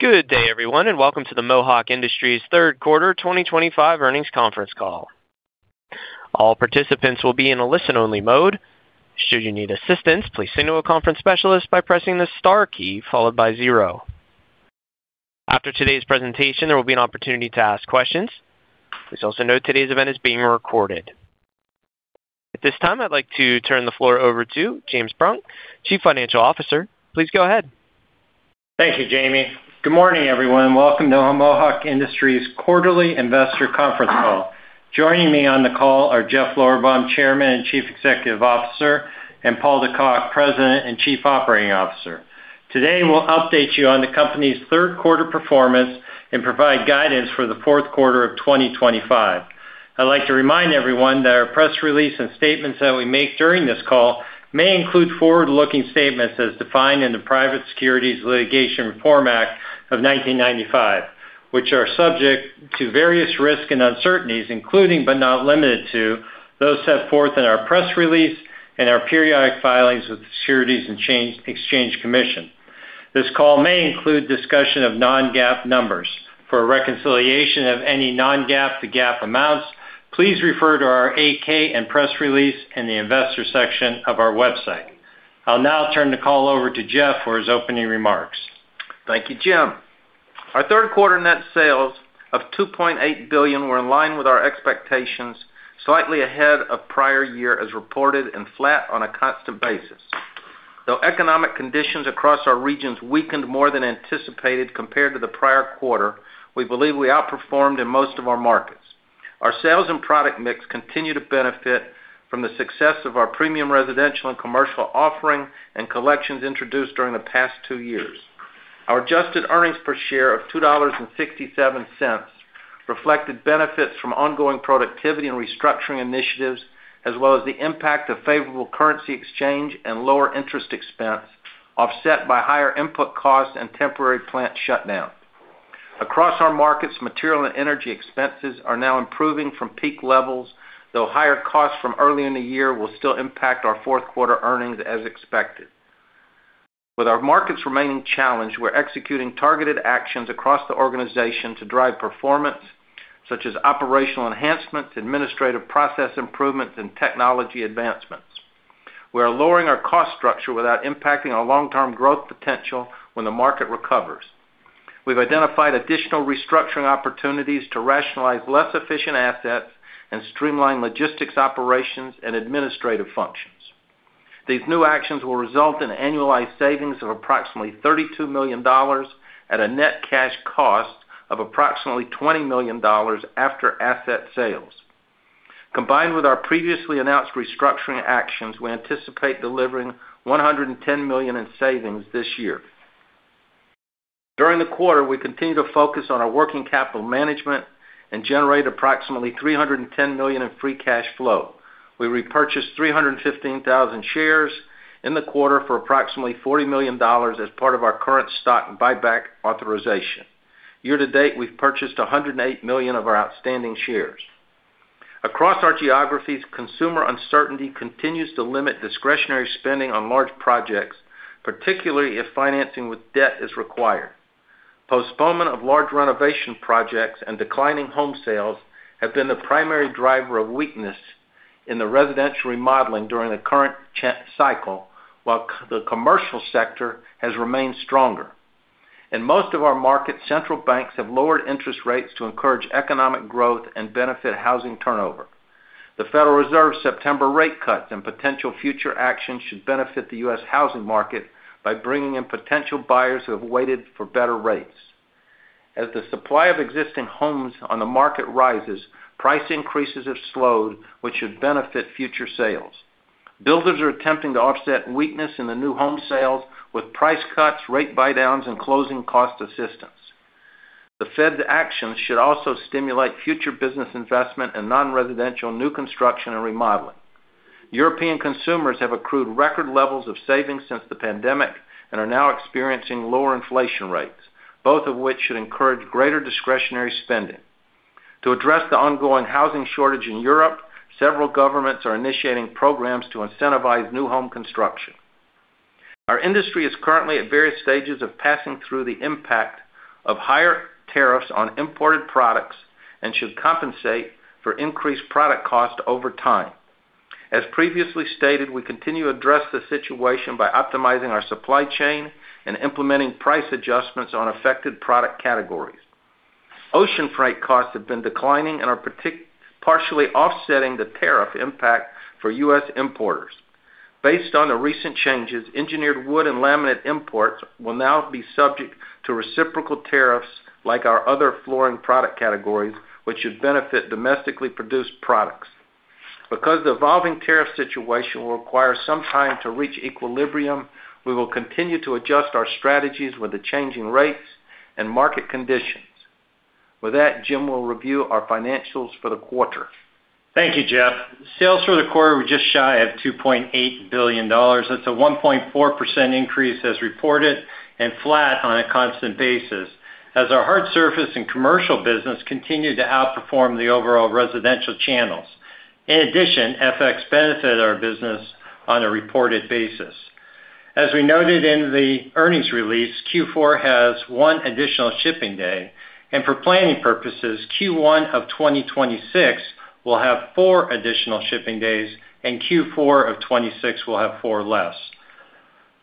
Good day, everyone, and welcome to the Mohawk Industries third quarter 2025 earnings conference call. All participants will be in a listen-only mode. Should you need assistance, please say to a conference specialist by pressing the star key followed by zero. After today's presentation, there will be an opportunity to ask questions. Please also note today's event is being recorded. At this time, I'd like to turn the floor over to James Brunk, Chief Financial Officer. Please go ahead. Thank you, Jamie. Good morning, everyone. Welcome to Mohawk Industries' quarterly investor conference call. Joining me on the call are Jeff Lorberbaum, Chairman and Chief Executive Officer, and Paul De Cock, President and Chief Operating Officer. Today, we'll update you on the company's third quarter performance and provide guidance for the fourth quarter of 2025. I'd like to remind everyone that our press release and statements that we make during this call may include forward-looking statements as defined in the Private Securities Litigation Reform Act of 1995, which are subject to various risks and uncertainties, including but not limited to those set forth in our press release and our periodic filings with the Securities and Exchange Commission. This call may include discussion of non-GAAP numbers. For reconciliation of any non-GAAP to GAAP amounts, please refer to our AK and press release in the Investor section of our website. I'll now turn the call over to Jeff for his opening remarks. Thank you, Jim. Our third quarter net sales of $2.8 billion were in line with our expectations, slightly ahead of prior year as reported and flat on a constant basis. Though economic conditions across our regions weakened more than anticipated compared to the prior quarter, we believe we outperformed in most of our markets. Our sales and product mix continue to benefit from the success of our premium residential and commercial offering and collections introduced during the past two years. Our adjusted EPS of $2.67 reflected benefits from ongoing productivity and restructuring initiatives, as well as the impact of favorable currency exchange and lower interest expense offset by higher input costs and temporary plant shutdowns. Across our markets, material and energy expenses are now improving from peak levels, though higher costs from earlier in the year will still impact our fourth quarter earnings as expected. With our markets remaining challenged, we're executing targeted actions across the organization to drive performance, such as operational enhancements, administrative process improvements, and technology advancements. We are lowering our cost structure without impacting our long-term growth potential when the market recovers. We've identified additional restructuring opportunities to rationalize less efficient assets and streamline logistics operations and administrative functions. These new actions will result in annualized savings of approximately $32 million at a net cash cost of approximately $20 million after asset sales. Combined with our previously announced restructuring actions, we anticipate delivering $110 million in savings this year. During the quarter, we continue to focus on our working capital management and generate approximately $310 million in free cash flow. We repurchased 315,000 shares in the quarter for approximately $40 million as part of our current stock buyback authorization. Year to date, we've purchased $108 million of our outstanding shares. Across our geographies, consumer uncertainty continues to limit discretionary spending on large projects, particularly if financing with debt is required. Postponement of large renovation projects and declining home sales have been the primary driver of weakness in the residential remodeling during the current cycle, while the commercial sector has remained stronger. In most of our markets, central banks have lowered interest rates to encourage economic growth and benefit housing turnover. The Federal Reserve's September rate cuts and potential future actions should benefit the U.S. housing market by bringing in potential buyers who have waited for better rates. As the supply of existing homes on the market rises, price increases have slowed, which should benefit future sales. Builders are attempting to offset weakness in the new home sales with price cuts, rate buydowns, and closing cost assistance. The Fed's actions should also stimulate future business investment in non-residential new construction and remodeling. European consumers have accrued record levels of savings since the pandemic and are now experiencing lower inflation rates, both of which should encourage greater discretionary spending. To address the ongoing housing shortage in Europe, several governments are initiating programs to incentivize new home construction. Our industry is currently at various stages of passing through the impact of higher tariffs on imported products and should compensate for increased product costs over time. As previously stated, we continue to address the situation by optimizing our supply chain and implementing price adjustments on affected product categories. Ocean freight costs have been declining and are partially offsetting the tariff impact for U.S. importers. Based on the recent changes, engineered wood and laminate imports will now be subject to reciprocal tariffs like our other flooring product categories, which should benefit domestically produced products. Because the evolving tariff situation will require some time to reach equilibrium, we will continue to adjust our strategies with the changing rates and market conditions. With that, Jim will review our financials for the quarter. Thank you, Jeff. Sales for the quarter were just shy of $2.8 billion. That's a 1.4% increase as reported and flat on a constant basis, as our hard surface and commercial business continue to outperform the overall residential channels. In addition, FX benefited our business on a reported basis. As we noted in the earnings release, Q4 has one additional shipping day, and for planning purposes, Q1 of 2026 will have four additional shipping days, and Q4 of 2026 will have four less.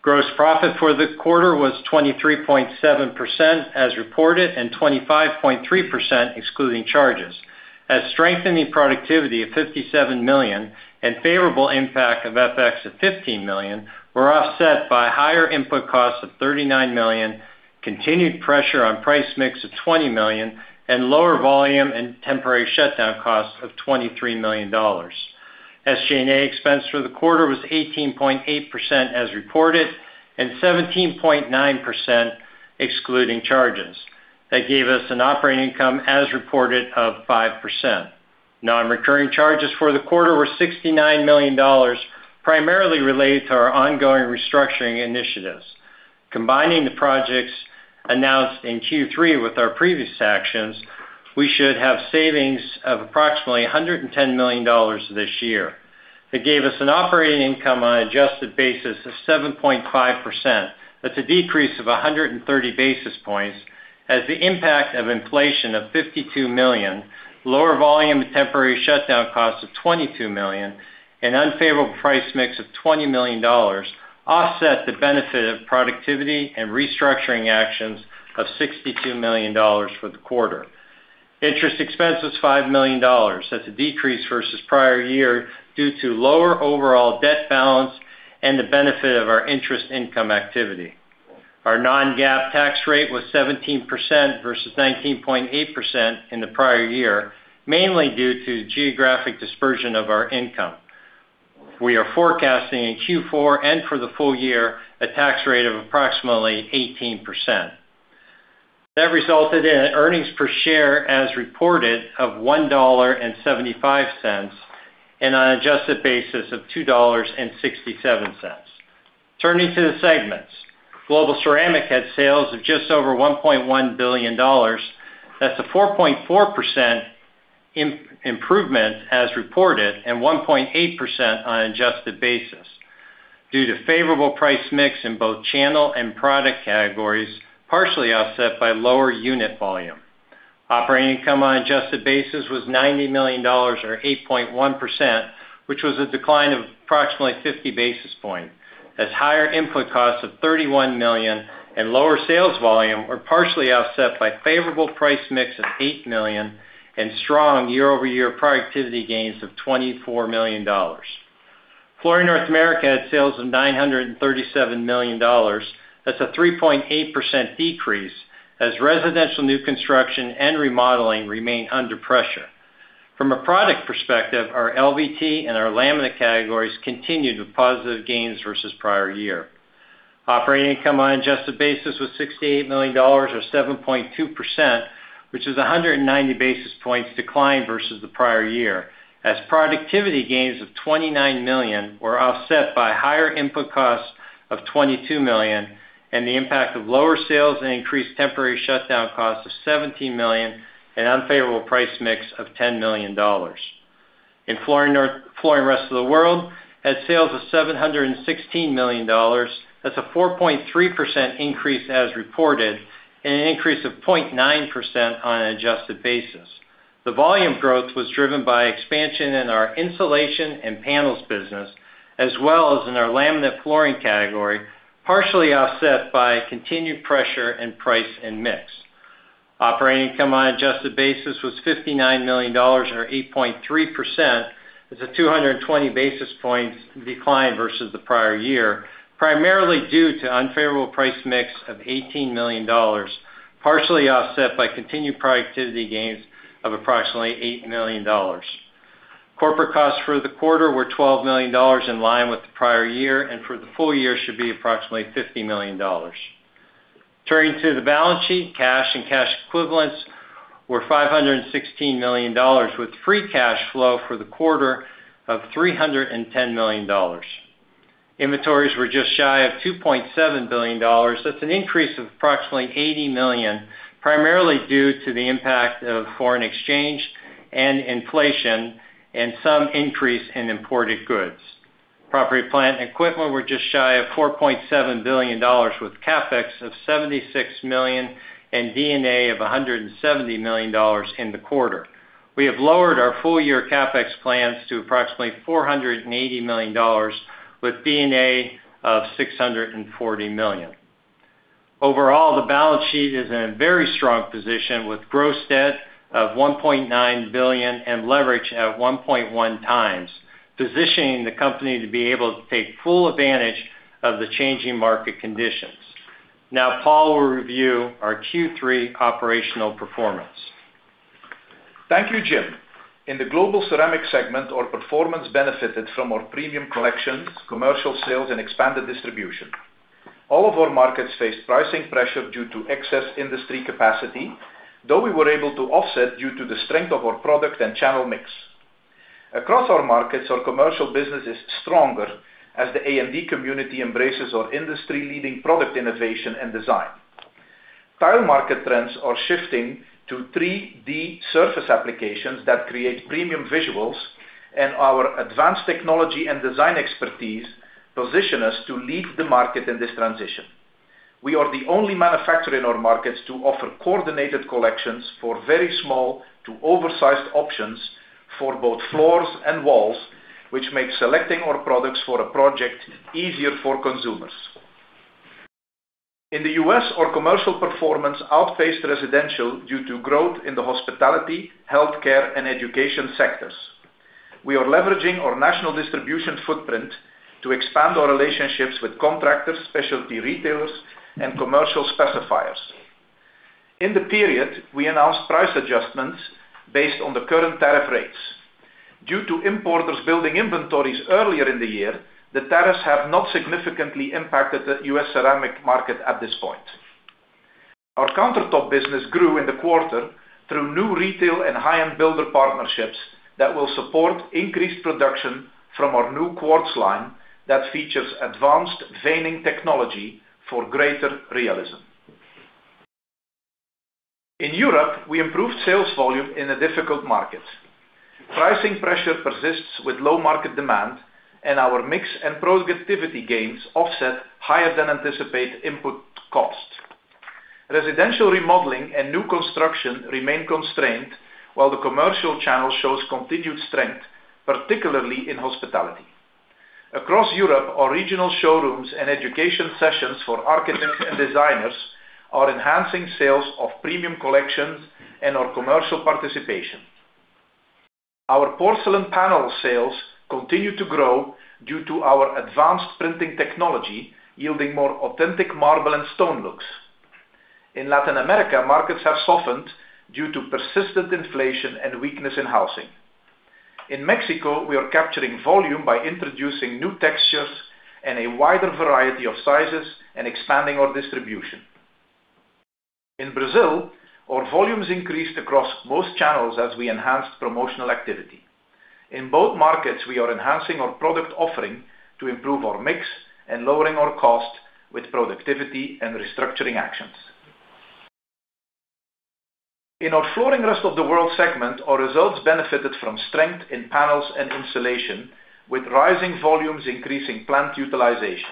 Gross profit for the quarter was 23.7% as reported and 25.3% excluding charges. Strengthening productivity of $57 million and favorable impact of FX of $15 million were offset by higher input costs of $39 million, continued pressure on price mix of $20 million, and lower volume and temporary shutdown costs of $23 million. SG&A expense for the quarter was 18.8% as reported and 17.9% excluding charges. That gave us an operating income as reported of 5%. Non-recurring charges for the quarter were $69 million, primarily related to our ongoing restructuring initiatives. Combining the projects announced in Q3 with our previous actions, we should have savings of approximately $110 million this year. That gave us an operating income on an adjusted basis of 7.5%. That's a decrease of 130 basis points, as the impact of inflation of $52 million, lower volume and temporary shutdown costs of $22 million, and unfavorable price mix of $20 million offset the benefit of productivity and restructuring actions of $62 million for the quarter. Interest expense was $5 million. That's a decrease versus prior year due to lower overall debt balance and the benefit of our interest income activity. Our non-GAAP tax rate was 17% versus 19.8% in the prior year, mainly due to geographic dispersion of our income. We are forecasting in Q4 and for the full year a tax rate of approximately 18%. That resulted in earnings per share as reported of $1.75 and on an adjusted basis of $2.67. Turning to the segments, Global Ceramic had sales of just over $1.1 billion. That's a 4.4% improvement as reported and 1.8% on an adjusted basis due to favorable price mix in both channel and product categories, partially offset by lower unit volume. Operating income on an adjusted basis was $90 million, or 8.1%, which was a decline of approximately 50 basis points. That's higher input costs of $31 million and lower sales volume were partially offset by a favorable price mix of $8 million and strong year-over-year productivity gains of $24 million. Flooring North America had sales of $937 million. That's a 3.8% decrease, as residential new construction and remodeling remain under pressure. From a product perspective, our LVT and our laminate categories continued with positive gains versus prior year. Operating income on an adjusted basis was $68 million, or 7.2%, which is a 190 basis points decline versus the prior year, as productivity gains of $29 million were offset by higher input costs of $22 million and the impact of lower sales and increased temporary shutdown costs of $17 million and unfavorable price mix of $10 million. In Flooring Rest of the World, had sales of $716 million. That's a 4.3% increase as reported and an increase of 0.9% on an adjusted basis. The volume growth was driven by expansion in our insulation and panels business, as well as in our laminate flooring category, partially offset by continued pressure in price and mix. Operating income on an adjusted basis was $59 million, or 8.3%. That's a 220 basis points decline versus the prior year, primarily due to unfavorable price mix of $18 million, partially offset by continued productivity gains of approximately $8 million. Corporate costs for the quarter were $12 million in line with the prior year, and for the full year should be approximately $50 million. Turning to the balance sheet, cash and cash equivalents were $516 million, with free cash flow for the quarter of $310 million. Inventories were just shy of $2.7 billion. That's an increase of approximately $80 million, primarily due to the impact of foreign exchange and inflation and some increase in imported goods. Property, plant, and equipment were just shy of $4.7 billion, with CapEx of $76 million and DNA of $170 million in the quarter. We have lowered our full-year CapEx plans to approximately $480 million, with DNA of $640 million. Overall, the balance sheet is in a very strong position, with gross debt of $1.9 billion and leverage at 1.1x, positioning the company to be able to take full advantage of the changing market conditions. Now, Paul will review our Q3 operational performance. Thank you, Jim. In the Global Ceramic segment, our performance benefited from our premium collections, commercial sales, and expanded distribution. All of our markets faced pricing pressure due to excess industry capacity, though we were able to offset due to the strength of our product and channel mix. Across our markets, our commercial business is stronger as the A&D community embraces our industry-leading product innovation and design. Tile market trends are shifting to 3D surface applications that create premium visuals, and our advanced technology and design expertise position us to lead the market in this transition. We are the only manufacturer in our markets to offer coordinated collections for very small to oversized options for both floors and walls, which makes selecting our products for a project easier for consumers. In the U.S., our commercial performance outpaced residential due to growth in the hospitality, healthcare, and education sectors. We are leveraging our national distribution footprint to expand our relationships with contractors, specialty retailers, and commercial specifiers. In the period, we announced price adjustments based on the current tariff rates. Due to importers building inventories earlier in the year, the tariffs have not significantly impacted the U.S. ceramic market at this point. Our countertop business grew in the quarter through new retail and high-end builder partnerships that will support increased production from our new quartz line that features advanced veining technology for greater realism. In Europe, we improved sales volume in a difficult market. Pricing pressure persists with low market demand, and our mix and productivity gains offset higher-than-anticipated input costs. Residential remodeling and new construction remain constrained, while the commercial channel shows continued strength, particularly in hospitality. Across Europe, our regional showrooms and education sessions for architects and designers are enhancing sales of premium collections and our commercial participation. Our porcelain panel sales continue to grow due to our advanced printing technology, yielding more authentic marble and stone looks. In Latin America, markets have softened due to persistent inflation and weakness in housing. In Mexico, we are capturing volume by introducing new textures and a wider variety of sizes and expanding our distribution. In Brazil, our volumes increased across most channels as we enhanced promotional activity. In both markets, we are enhancing our product offering to improve our mix and lowering our cost with productivity and restructuring actions. In our Flooring Rest of the World segment, our results benefited from strength in panels and insulation, with rising volumes increasing plant utilization.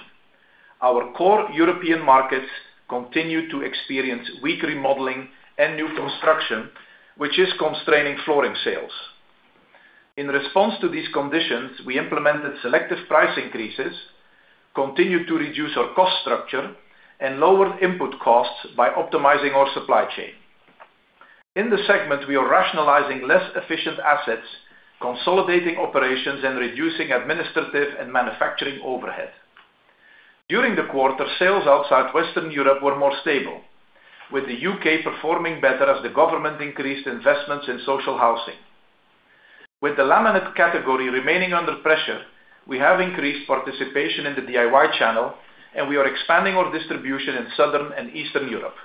Our core European markets continue to experience weak remodeling and new construction, which is constraining flooring sales. In response to these conditions, we implemented selective price increases, continued to reduce our cost structure, and lowered input costs by optimizing our supply chain. In the segment, we are rationalizing less efficient assets, consolidating operations, and reducing administrative and manufacturing overhead. During the quarter, sales outside Western Europe were more stable, with the U.K. performing better as the government increased investments in social housing. With the laminate category remaining under pressure, we have increased participation in the DIY channel, and we are expanding our distribution in Southern and Eastern Europe.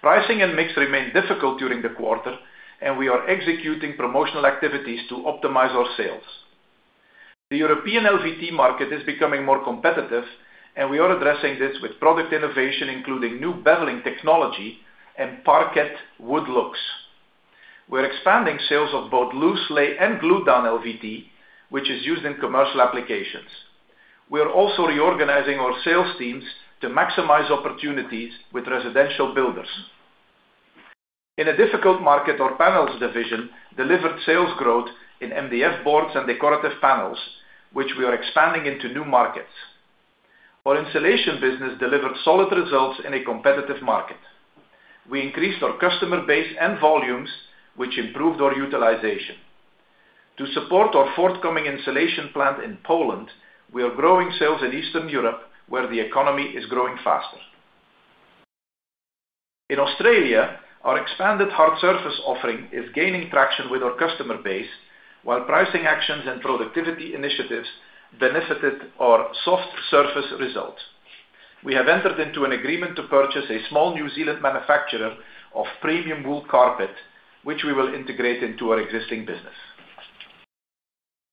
Pricing and mix remain difficult during the quarter, and we are executing promotional activities to optimize our sales. The European LVT market is becoming more competitive, and we are addressing this with product innovation, including new beveling technology and parquet wood looks. We're expanding sales of both loose lay and glue down LVT, which is used in commercial applications. We are also reorganizing our sales teams to maximize opportunities with residential builders. In a difficult market, our panels division delivered sales growth in MDF boards and decorative panels, which we are expanding into new markets. Our insulation business delivered solid results in a competitive market. We increased our customer base and volumes, which improved our utilization. To support our forthcoming insulation plant in Poland, we are growing sales in Eastern Europe, where the economy is growing faster. In Australia, our expanded hard surface offering is gaining traction with our customer base, while pricing actions and productivity initiatives benefited our soft surface results. We have entered into an agreement to purchase a small New Zealand manufacturer of premium wool carpet, which we will integrate into our existing business.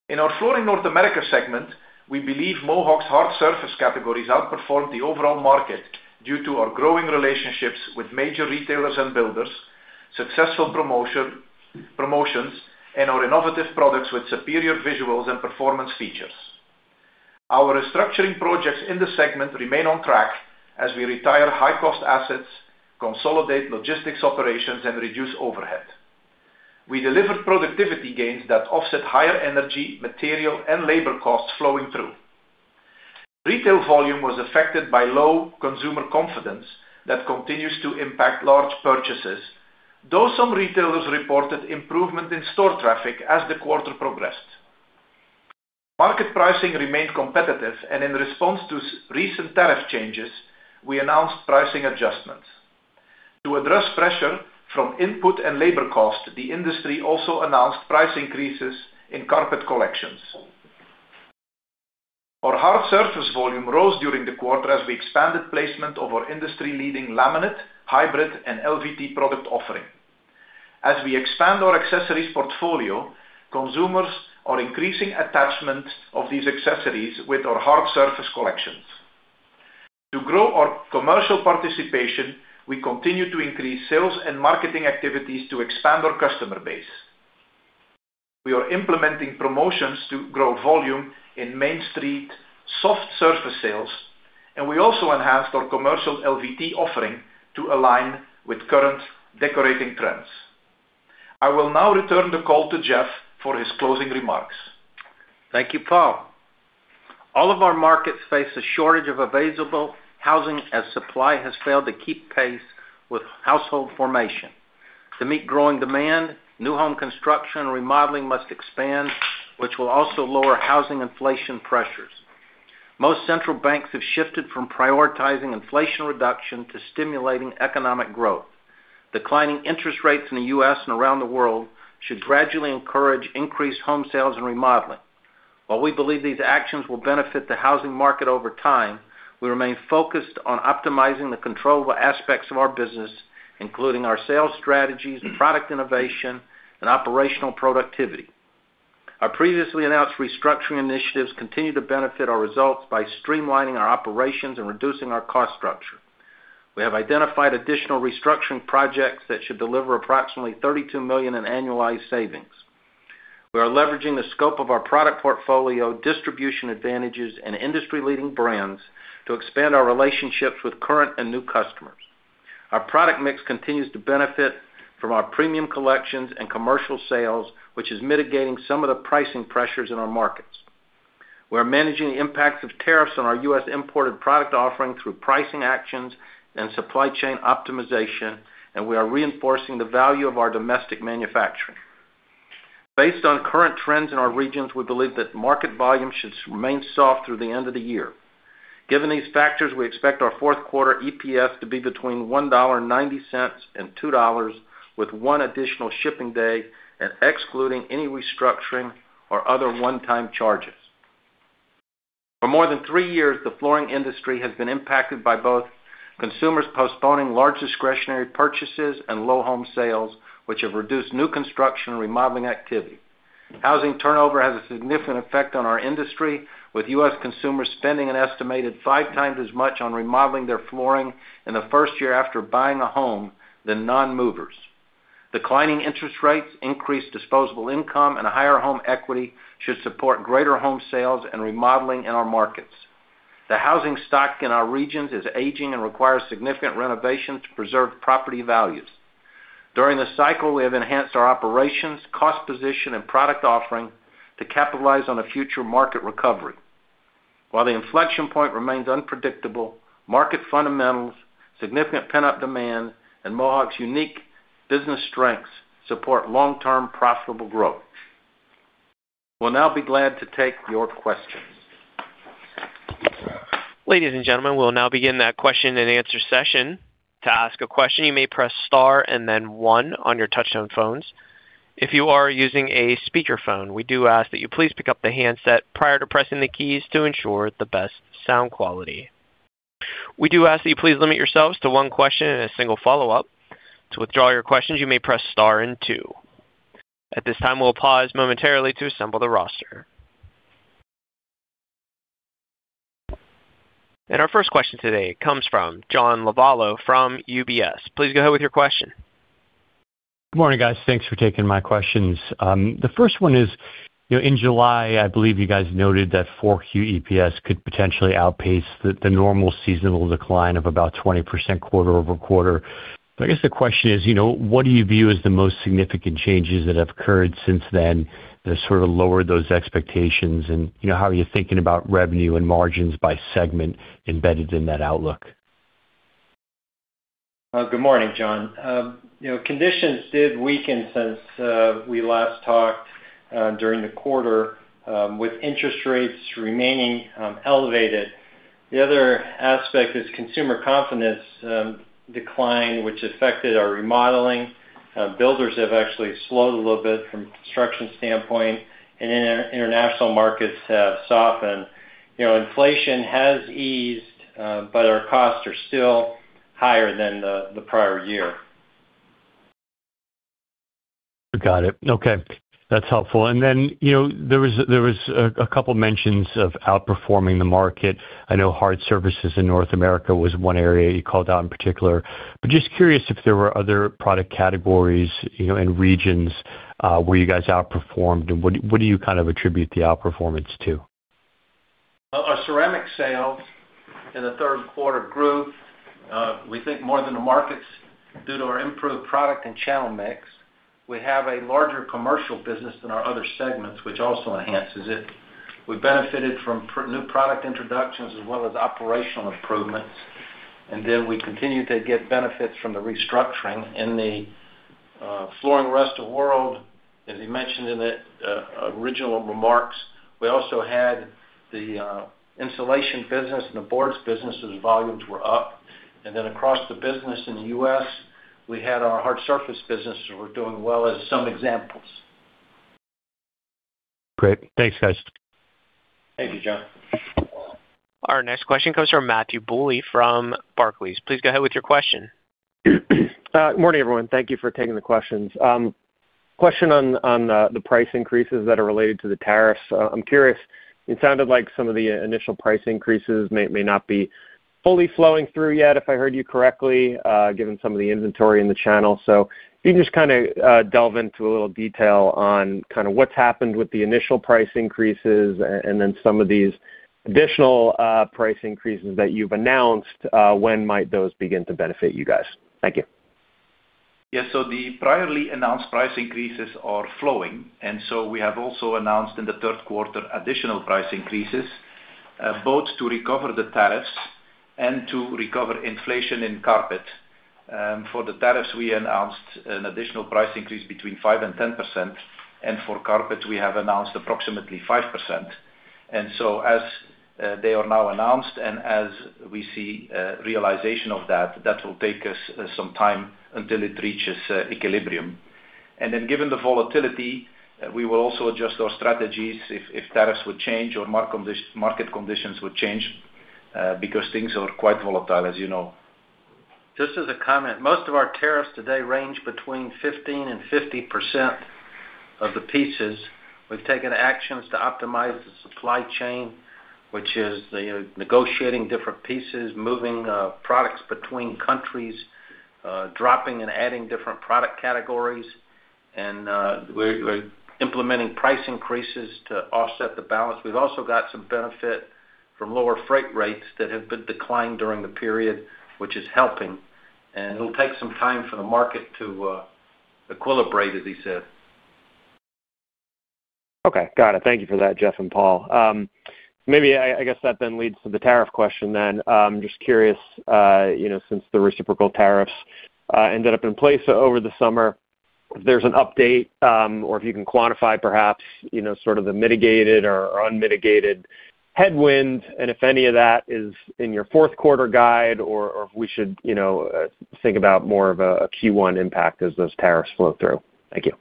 In our Flooring North America segment, we believe Mohawk's hard surface categories outperformed the overall market due to our growing relationships with major retailers and builders, successful promotions, and our innovative products with superior visuals and performance features. Our restructuring projects in the segment remain on track as we retire high-cost assets, consolidate logistics operations, and reduce overhead. We delivered productivity gains that offset higher energy, material, and labor costs flowing through. Retail volume was affected by low consumer confidence that continues to impact large purchases, though some retailers reported improvement in store traffic as the quarter progressed. Market pricing remained competitive, and in response to recent tariff changes, we announced pricing adjustments. To address pressure from input and labor costs, the industry also announced price increases in carpet collections. Our hard surface volume rose during the quarter as we expanded placement of our industry-leading laminate, hybrid, and LVT product offering. As we expand our accessories portfolio, consumers are increasing attachments of these accessories with our hard surface collections. To grow our commercial participation, we continue to increase sales and marketing activities to expand our customer base. We are implementing promotions to grow volume in Main Street soft surface sales, and we also enhanced our commercial LVT offering to align with current decorating trends. I will now return the call to Jeff for his closing remarks. Thank you, Paul. All of our markets face a shortage of available housing as supply has failed to keep pace with household formation. To meet growing demand, new home construction and remodeling must expand, which will also lower housing inflation pressures. Most central banks have shifted from prioritizing inflation reduction to stimulating economic growth. Declining interest rates in the U.S. and around the world should gradually encourage increased home sales and remodeling. While we believe these actions will benefit the housing market over time, we remain focused on optimizing the control aspects of our business, including our sales strategies, product innovation, and operational productivity. Our previously announced restructuring initiatives continue to benefit our results by streamlining our operations and reducing our cost structure. We have identified additional restructuring projects that should deliver approximately $32 million in annualized savings. We are leveraging the scope of our product portfolio, distribution advantages, and industry-leading brands to expand our relationships with current and new customers. Our product mix continues to benefit from our premium collections and commercial sales, which is mitigating some of the pricing pressures in our markets. We are managing the impacts of tariffs on our U.S. imported product offering through pricing actions and supply chain optimization, and we are reinforcing the value of our domestic manufacturing. Based on current trends in our regions, we believe that market volume should remain soft through the end of the year. Given these factors, we expect our fourth quarter EPS to be between $1.90 and $2.00, with one additional shipping day and excluding any restructuring or other one-time charges. For more than three years, the flooring industry has been impacted by both consumers postponing large discretionary purchases and low home sales, which have reduced new construction and remodeling activity. Housing turnover has a significant effect on our industry, with U.S. consumers spending an estimated five times as much on remodeling their flooring in the first year after buying a home than non-movers. Declining interest rates increase disposable income, and a higher home equity should support greater home sales and remodeling in our markets. The housing stock in our regions is aging and requires significant renovations to preserve property values. During the cycle, we have enhanced our operations, cost position, and product offering to capitalize on a future market recovery. While the inflection point remains unpredictable, market fundamentals, significant pent-up demand, and Mohawk Industries' unique business strengths support long-term profitable growth. We'll now be glad to take your questions. Ladies and gentlemen, we'll now begin the question and answer session. To ask a question, you may press star and then one on your touch-tone phones. If you are using a speakerphone, we do ask that you please pick up the handset prior to pressing the keys to ensure the best sound quality. We do ask that you please limit yourselves to one question and a single follow-up. To withdraw your questions, you may press star and two. At this time, we'll pause momentarily to assemble the roster. Our first question today comes from John Lovallo from UBS. Please go ahead with your question. Good morning, guys. Thanks for taking my questions. The first one is, you know, in July, I believe you guys noted that fourth-quarter EPS could potentially outpace the normal seasonal decline of about 20% quarter-over-quarter. I guess the question is, you know, what do you view as the most significant changes that have occurred since then that have sort of lowered those expectations? You know, how are you thinking about revenue and margins by segment embedded in that outlook? Good morning, John. You know, conditions did weaken since we last talked during the quarter, with interest rates remaining elevated. The other aspect is consumer confidence decline, which affected our remodeling. Builders have actually slowed a little bit from a construction standpoint, and international markets have softened. Inflation has eased, but our costs are still higher than the prior year. Got it. Okay. That's helpful. There was a couple of mentions of outperforming the market. I know hard surfaces in North America was one area you called out in particular. Just curious if there were other product categories and regions where you guys outperformed, and what do you kind of attribute the outperformance to? Our ceramic sales in the third quarter grew, we think, more than the markets due to our improved product and channel mix. We have a larger commercial business than our other segments, which also enhances it. We benefited from new product introductions as well as operational improvements. We continue to get benefits from the restructuring. In the Flooring Rest of the World, as you mentioned in the original remarks, we also had the insulation business and the boards businesses' volumes were up. Across the business in the U.S., we had our hard surface businesses were doing well as some examples. Great. Thanks, guys. Thank you, John. Our next question comes from Matthew Bouley from Barclays. Please go ahead with your question. Morning everyone. Thank you for taking the questions. Question on the price increases that are related to the tariffs. I'm curious, it sounded like some of the initial price increases may not be fully flowing through yet, if I heard you correctly, given some of the inventory in the channel. If you can just kind of delve into a little detail on what's happened with the initial price increases and then some of these additional price increases that you've announced, when might those begin to benefit you guys? Thank you. The previously announced price increases are flowing. We have also announced in the third quarter additional price increases, both to recover the tariffs and to recover inflation in carpet. For the tariffs, we announced an additional price increase between 5% and 10%. For carpet, we have announced approximately 5%. As they are now announced and as we see realization of that, it will take us some time until it reaches equilibrium. Given the volatility, we will also adjust our strategies if tariffs would change or market conditions would change because things are quite volatile, as you know. Just as a comment, most of our tariffs today range between 15% and 50% of the pieces. We've taken actions to optimize the supply chain, which is negotiating different pieces, moving products between countries, dropping and adding different product categories. We're implementing price increases to offset the balance. We've also got some benefit from lower freight rates that have declined during the period, which is helping. It'll take some time for the market to equilibrate, as he said. Okay. Got it. Thank you for that, Jeff and Paul. Maybe I guess that then leads to the tariff question. I'm just curious, since the reciprocal tariffs ended up in place over the summer, if there's an update or if you can quantify perhaps, you know, sort of the mitigated or unmitigated headwind, and if any of that is in your fourth quarter guide or if we should think about more of a Q1 impact as those tariffs flow through. Thank you.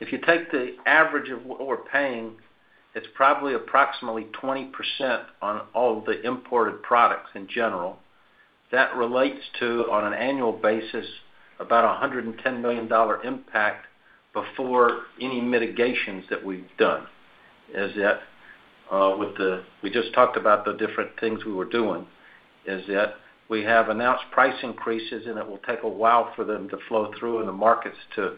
If you take the average of what we're paying, it's probably approximately 20% on all of the imported products in general. That relates to, on an annual basis, about a $110 million impact before any mitigations that we've done. That is with the, we just talked about the different things we were doing, that we have announced price increases, and it will take a while for them to flow through in the markets to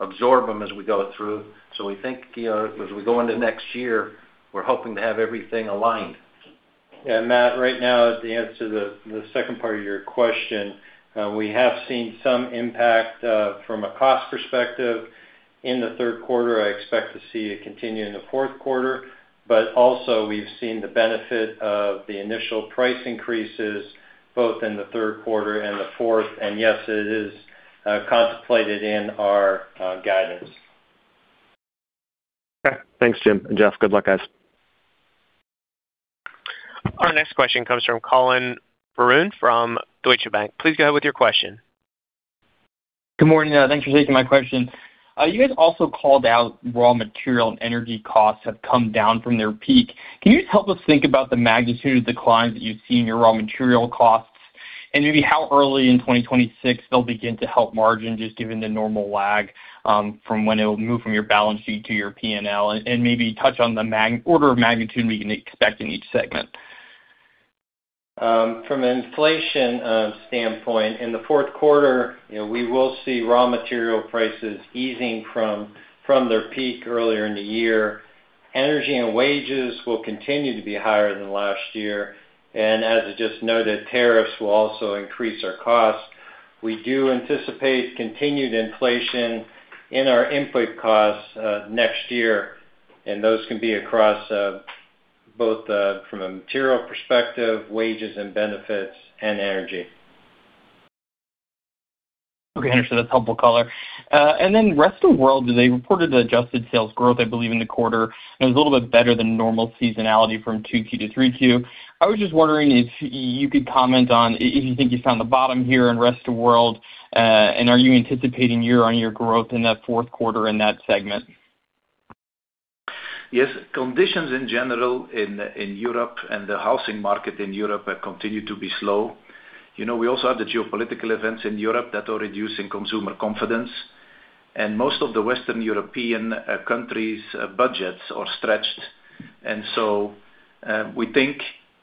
absorb them as we go through. We think, you know, as we go into next year, we're hoping to have everything aligned. That right now is the answer to the second part of your question. We have seen some impact from a cost perspective in the third quarter. I expect to see it continue in the fourth quarter. Also, we've seen the benefit of the initial price increases both in the third quarter and the fourth. Yes, it is contemplated in our guidance. Okay. Thanks, James and Jeff. Good luck, guys. Our next question comes from Collin Verron from Deutsche Bank. Please go ahead with your question. Good morning. Thanks for taking my question. You guys also called out raw material and energy costs have come down from their peak. Can you just help us think about the magnitude of the declines that you've seen in your raw material costs and maybe how early in 2026 they'll begin to help margin, just given the normal lag from when it'll move from your balance sheet to your P&L, and maybe touch on the order of magnitude we can expect in each segment? From an inflation standpoint, in the fourth quarter, we will see raw material prices easing from their peak earlier in the year. Energy and wages will continue to be higher than last year. As I just noted, tariffs will also increase our costs. We do anticipate continued inflation in our input costs next year, and those can be across both from a material perspective, wages and benefits, and energy. Okay, thanks. That's helpful, Color. Rest of the World, they reported the adjusted sales growth, I believe, in the quarter. It was a little bit better than normal seasonality from 2Q to 3Q. I was just wondering if you could comment on if you think you found the bottom here in Rest of the World, and are you anticipating year-on-year growth in that fourth quarter in that segment? Yes. Conditions in general in Europe and the housing market in Europe continue to be slow. We also have the geopolitical events in Europe that are reducing consumer confidence. Most of the Western European countries' budgets are stretched. We think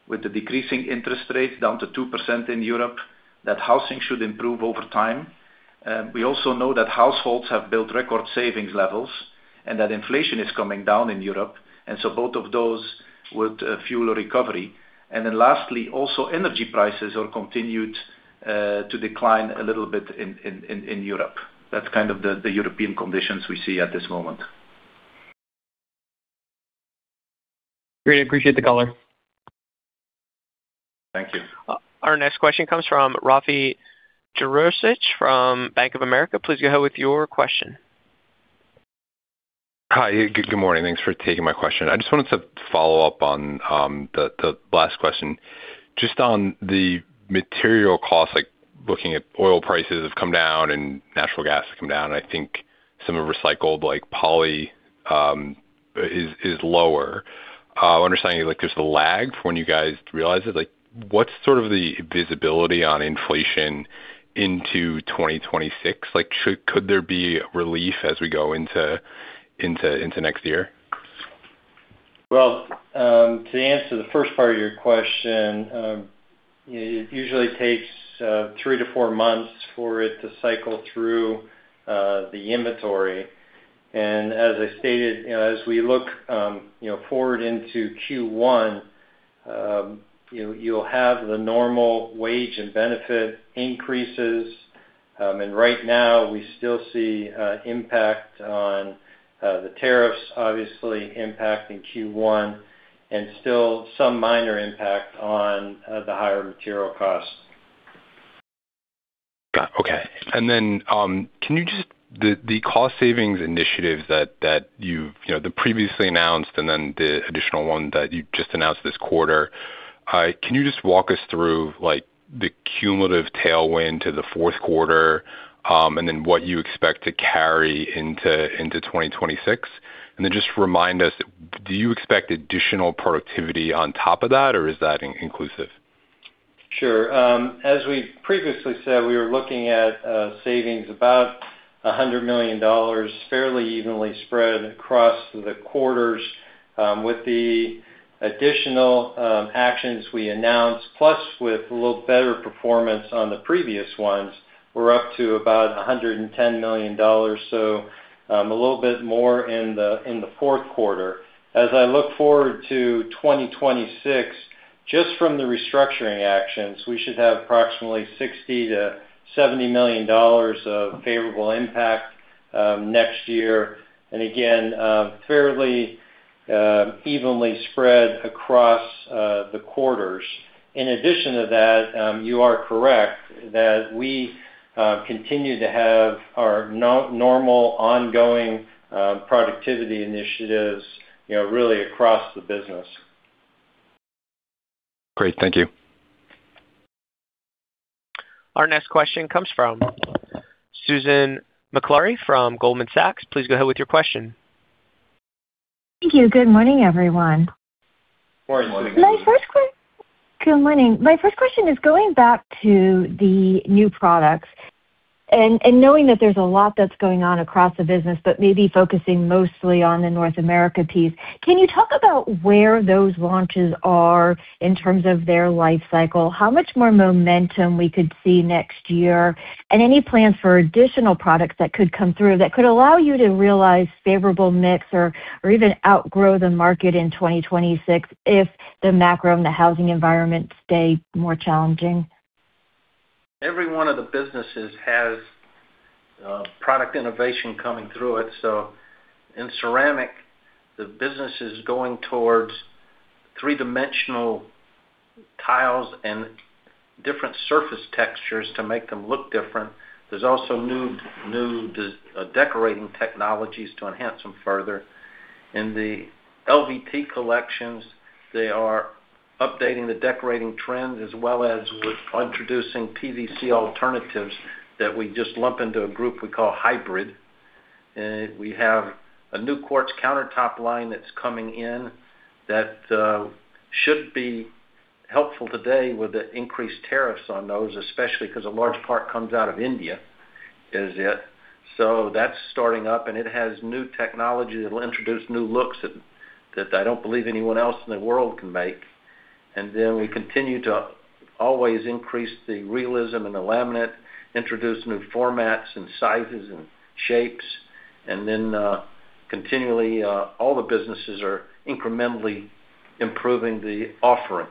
with the decreasing interest rates down to 2% in Europe, that housing should improve over time. We also know that households have built record savings levels and that inflation is coming down in Europe. Both of those would fuel a recovery. Lastly, also energy prices are continued to decline a little bit in Europe. That's kind of the European conditions we see at this moment. Great. I appreciate the color. Thank you. Our next question comes from Rafe Jadrosich from Bank of America. Please go ahead with your question. Hi. Good morning. Thanks for taking my question. I just wanted to follow up on the last question. Just on the material costs, like looking at oil prices have come down and natural gas has come down. I think some of the recycled like poly is lower. I'm understanding like there's a lag from when you guys realized it. What's sort of the visibility on inflation into 2026? Could there be relief as we go into next year? To answer the first part of your question, you know it usually takes three to four months for it to cycle through the inventory. As I stated, you know as we look forward into Q1, you'll have the normal wage and benefit increases. Right now, we still see impact on the tariffs, obviously, impacting Q1 and still some minor impact on the higher material costs. Got it. Okay. Can you just, the cost savings initiatives that you've previously announced and then the additional one that you just announced this quarter, can you walk us through the cumulative tailwind to the fourth quarter and what you expect to carry into 2026? Just remind us, do you expect additional productivity on top of that, or is that inclusive? Sure. As we previously said, we were looking at savings about $100 million, fairly evenly spread across the quarters. With the additional actions we announced, plus with a little better performance on the previous ones, we're up to about $110 million. A little bit more in the fourth quarter. As I look forward to 2026, just from the restructuring actions, we should have approximately $60 million-$70 million of favorable impact next year, fairly evenly spread across the quarters. In addition to that, you are correct that we continue to have our normal ongoing productivity initiatives, really across the business. Great. Thank you. Our next question comes from Susan Maklari from Goldman Sachs. Please go ahead with your question. Thank you. Good morning, everyone. Morning. My first question is going back to the new products. Knowing that there's a lot that's going on across the business, maybe focusing mostly on the North America piece, can you talk about where those launches are in terms of their life cycle? How much more momentum we could see next year? Any plans for additional products that could come through that could allow you to realize favorable mix or even outgrow the market in 2026 if the macro and the housing environment stay more challenging? Every one of the businesses has product innovation coming through it. In ceramic, the business is going towards three-dimensional tiles and different surface textures to make them look different. There are also new decorating technologies to enhance them further. In the LVT collections, they are updating the decorating trends as well as introducing PVC alternatives that we just lump into a group we call hybrid. We have a new quartz countertop line that's coming in that should be helpful today with the increased tariffs on those, especially because a large part comes out of India. That's starting up, and it has new technology that'll introduce new looks that I don't believe anyone else in the world can make. We continue to always increase the realism in the laminate, introduce new formats and sizes and shapes. Continually, all the businesses are incrementally improving the offering.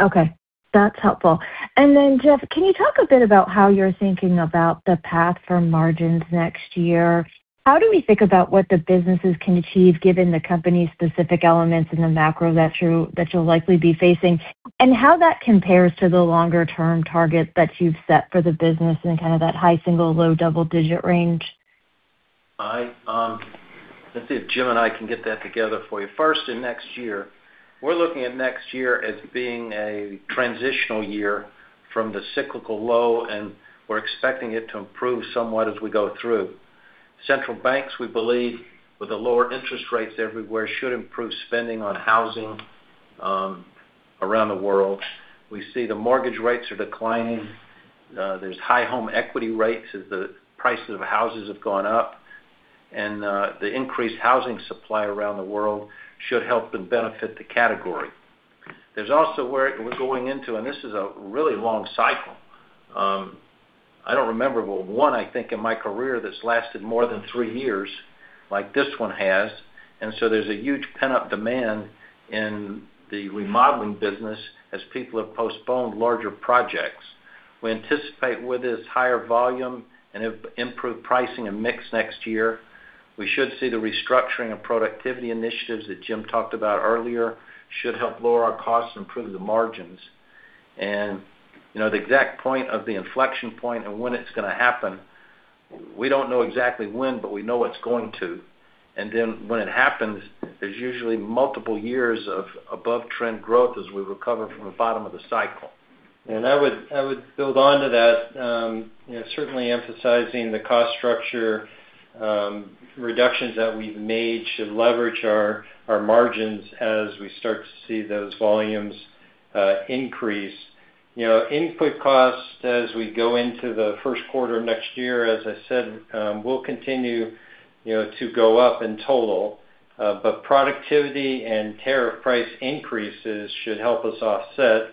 Okay. That's helpful. Jeff, can you talk a bit about how you're thinking about the path for margins next year? How do we think about what the businesses can achieve given the company's specific elements in the macro that you'll likely be facing? How does that compare to the longer-term target that you've set for the business and kind of that high single, low double-digit range? Let's see if Jim and I can get that together for you. First, in next year, we're looking at next year as being a transitional year from the cyclical low, and we're expecting it to improve somewhat as we go through. Central banks, we believe, with the lower interest rates everywhere, should improve spending on housing around the world. We see the mortgage rates are declining. There's high home equity rates as the prices of houses have gone up. The increased housing supply around the world should help and benefit the category. We're also going into, and this is a really long cycle. I don't remember, but one, I think in my career, that's lasted more than three years like this one has. There's a huge pent-up demand in the remodeling business as people have postponed larger projects. We anticipate with this higher volume and improved pricing and mix next year, we should see the restructuring and productivity initiatives that Jim talked about earlier should help lower our costs and improve the margins. The exact point of the inflection point and when it's going to happen, we don't know exactly when, but we know it's going to. When it happens, there's usually multiple years of above-trend growth as we recover from the bottom of the cycle. I would build on to that. Certainly emphasizing the cost structure reductions that we've made should leverage our margins as we start to see those volumes increase. Input costs as we go into the first quarter of next year, as I said, will continue to go up in total. Productivity and tariff price increases should help us offset.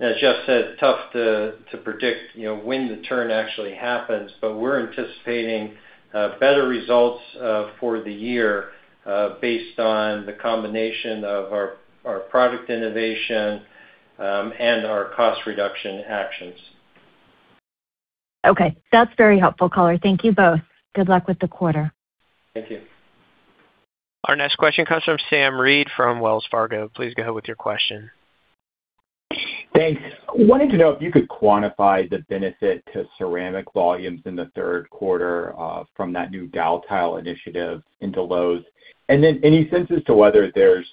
As Jeff said, tough to predict when the turn actually happens, but we're anticipating better results for the year based on the combination of our product innovation and our cost reduction actions. Okay. That's very helpful, color. Thank you both. Good luck with the quarter. Thank you. Our next question comes from Sam Reid from Wells Fargo. Please go ahead with your question. Thanks. Wanted to know if you could quantify the benefit to ceramic volumes in the third quarter from that new Dow tile initiative into Lowe's, and then any sense as to whether there's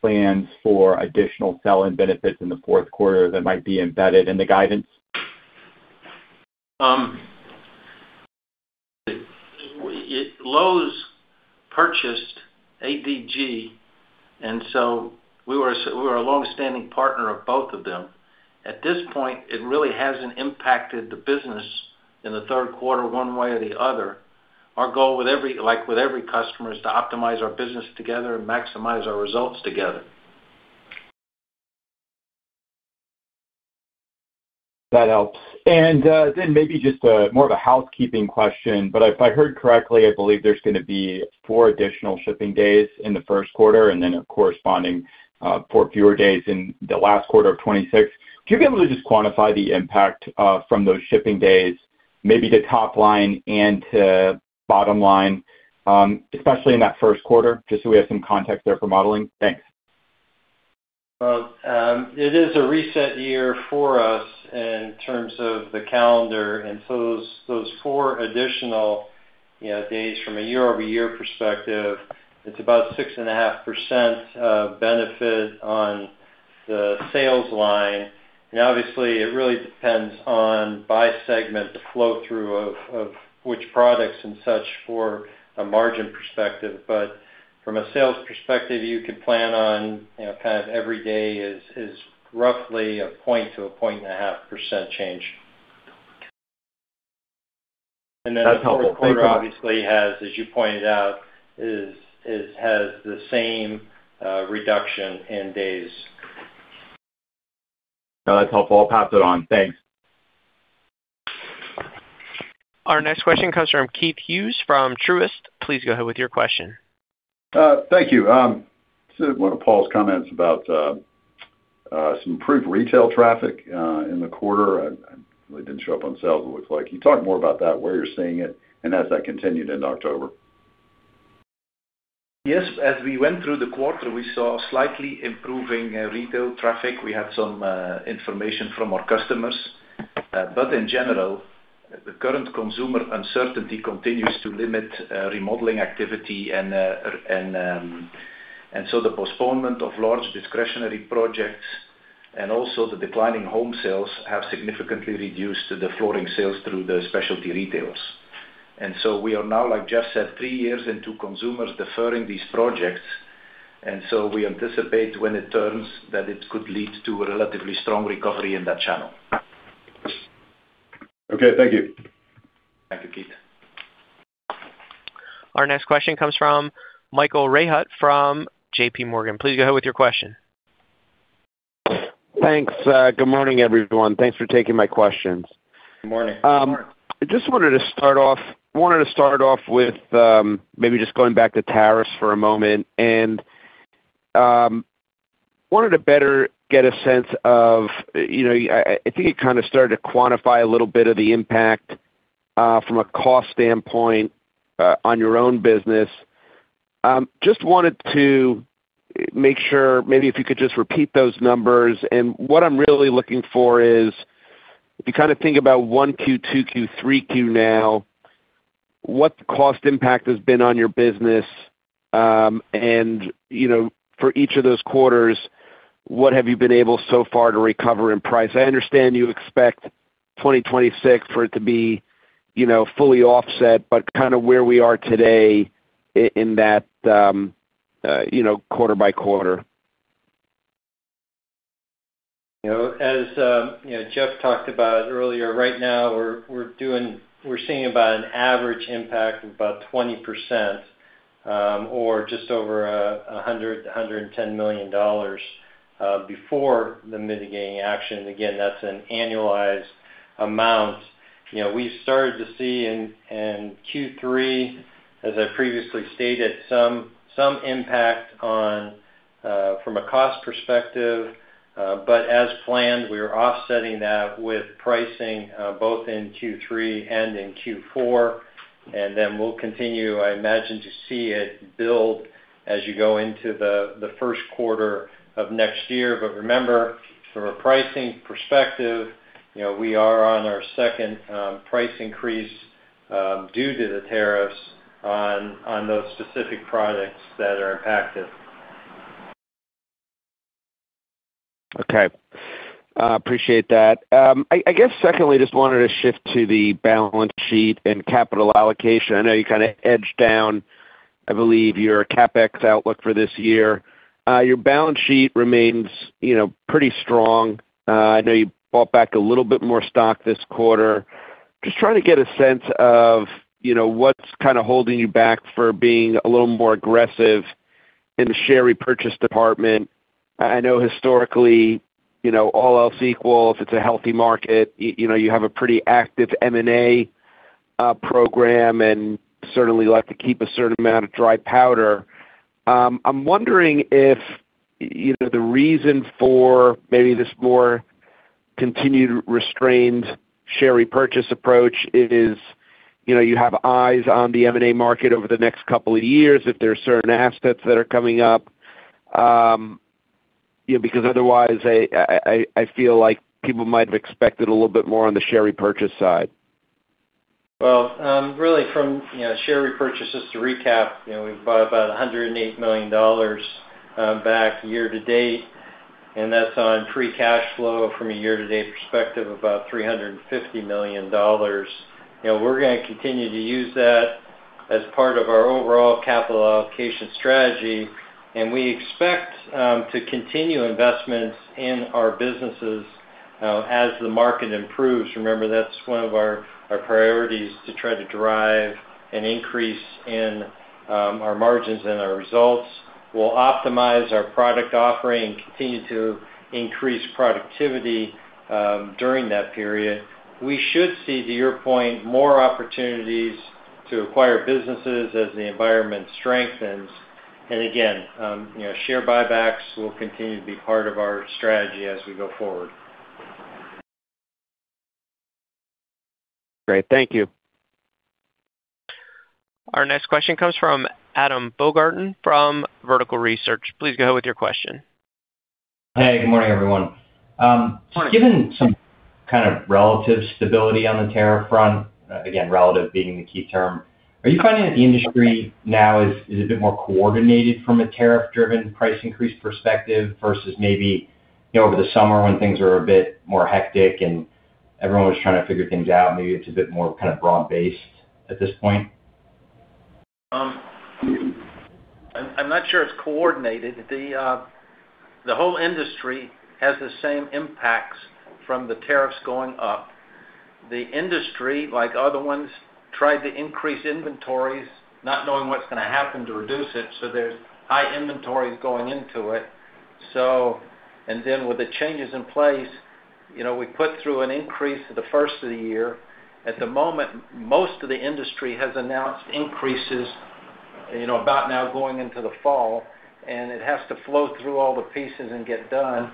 plans for additional selling benefits in the fourth quarter that might be embedded in the guidance? Lowe's purchased ADG, and so we were a longstanding partner of both of them. At this point, it really hasn't impacted the business in the third quarter one way or the other. Our goal with every customer is to optimize our business together and maximize our results together. That helps. Maybe just more of a housekeeping question. If I heard correctly, I believe there's going to be four additional shipping days in the first quarter and a corresponding four fewer days in the last quarter of 2026. Would you be able to just quantify the impact from those shipping days, maybe to top line and to bottom line, especially in that first quarter, just so we have some context there for modeling? Thanks. It is a reset year for us in terms of the calendar. Those four additional days from a year-over-year perspective, it's about 6.5% of benefit on the sales line. It really depends on by segment the flow-through of which products and such for a margin perspective. From a sales perspective, you could plan on kind of every day is roughly a 1%-1.5% change. That's helpful. The third quarter obviously, as you pointed out, has the same reduction in days. No, that's helpful. I'll pass it on. Thanks. Our next question comes from Keith Hughes from Truist. Please go ahead with your question. Thank you. One of Paul's comments was about some improved retail traffic in the quarter. It really didn't show up on sales, it looks like. Can you talk more about that, where you're seeing it, and has that continued into October? As we went through the quarter, we saw slightly improving retail traffic. We had some information from our customers. In general, the current consumer uncertainty continues to limit remodeling activity. The postponement of large discretionary projects and also the declining home sales have significantly reduced the flooring sales through the specialty retailers. We are now, like Jeff said, three years into consumers deferring these projects. We anticipate when it turns that it could lead to a relatively strong recovery in that channel. Okay, thank you. Thank you, Keith. Our next question comes from Michael Rehaut from JPMorgan. Please go ahead with your question. Thanks. Good morning, everyone. Thanks for taking my questions. Good morning. I just wanted to start off with maybe just going back to tariffs for a moment. I wanted to better get a sense of, you know, I think you kind of started to quantify a little bit of the impact, from a cost standpoint, on your own business. I just wanted to make sure maybe if you could just repeat those numbers. What I'm really looking for is if you kind of think about 1Q, 2Q, 3Q, now, what the cost impact has been on your business. For each of those quarters, what have you been able so far to recover in price? I understand you expect 2026 for it to be, you know, fully offset, but kind of where we are today in that, you know, quarter by quarter. As Jeff talked about earlier, right now we're seeing about an average impact of about 20%, or just over $100 million, $110 million, before the mitigating action. That's an annualized amount. We've started to see in Q3, as I previously stated, some impact from a cost perspective. As planned, we are offsetting that with pricing, both in Q3 and in Q4. I imagine we'll continue to see it build as you go into the first quarter of next year. Remember, from a pricing perspective, we are on our second price increase due to the tariffs on those specific products that are impacted. Okay. Appreciate that. I guess secondly, I just wanted to shift to the balance sheet and capital allocation. I know you kind of edged down, I believe, your CapEx outlook for this year. Your balance sheet remains, you know, pretty strong. I know you bought back a little bit more stock this quarter. Just trying to get a sense of, you know, what's kind of holding you back from being a little more aggressive in the share repurchase department. I know historically, you know, all else equal, if it's a healthy market, you know, you have a pretty active M&A program and certainly like to keep a certain amount of dry powder. I'm wondering if, you know, the reason for maybe this more continued restrained share repurchase approach is, you know, you have eyes on the M&A market over the next couple of years if there are certain assets that are coming up. You know, because otherwise, I feel like people might have expected a little bit more on the share repurchase side. From share repurchases to recap, you know, we've bought about $108 million back year to date. That's on free cash flow from a year-to-date perspective of about $350 million. You know, we're going to continue to use that as part of our overall capital allocation strategy. We expect to continue investments in our businesses as the market improves. Remember, that's one of our priorities to try to drive an increase in our margins and our results. We'll optimize our product offering and continue to increase productivity during that period. We should see, to your point, more opportunities to acquire businesses as the environment strengthens. You know, share buybacks will continue to be part of our strategy as we go forward. Great. Thank you. Our next question comes from Adam Baumgarten from Vertical Research. Please go ahead with your question. Hey, good morning, everyone. Given some kind of relative stability on the tariff front, again, relative being the key term, are you finding that the industry now is a bit more coordinated from a tariff-driven price increase perspective versus maybe, you know, over the summer when things were a bit more hectic and everyone was trying to figure things out? Maybe it's a bit more kind of broad-based at this point? I'm not sure it's coordinated. The whole industry has the same impacts from the tariffs going up. The industry, like other ones, tried to increase inventories, not knowing what's going to happen to reduce it. There's high inventories going into it. With the changes in place, you know, we put through an increase at the first of the year. At the moment, most of the industry has announced increases, you know, about now going into the fall. It has to flow through all the pieces and get done.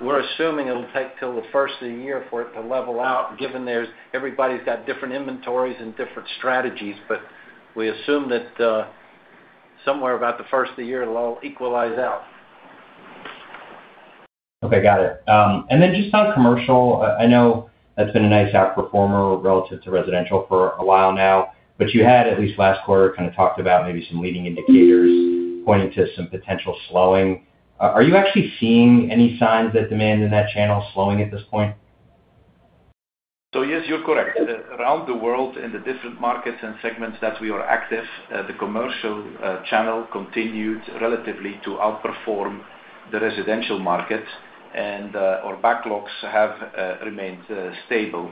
We're assuming it'll take till the first of the year for it to level out, given everybody's got different inventories and different strategies. We assume that somewhere about the first of the year, it'll all equalize out. Okay. Got it. Just on commercial, I know that's been a nice outperformer relative to residential for a while now. You had, at least last quarter, kind of talked about maybe some leading indicators pointing to some potential slowing. Are you actually seeing any signs that demand in that channel is slowing at this point? Yes, you're correct. Around the world, in the different markets and segments that we are active, the commercial channel continued relatively to outperform the residential market, and our backlogs have remained stable.